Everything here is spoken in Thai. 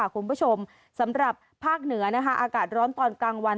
คุณผู้ชมสำหรับภาคเหนืออากาศร้อนตอนกลางวัน